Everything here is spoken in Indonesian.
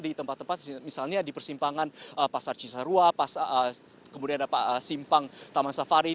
di tempat tempat misalnya di persimpangan pasar cisarua kemudian ada simpang taman safari